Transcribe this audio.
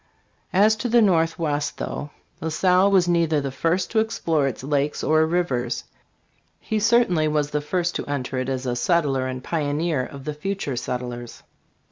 As to the Northwest, though 2O STARVED ROCK : A HISTORICAL SKETCH. La Salle was neither the first to explore its lakes or rivers, he certainly was the first to enter it as a settler and pioneer of the future settlers.